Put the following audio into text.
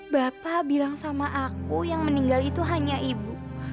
bapak bilang sama aku yang meninggal itu hanya ibu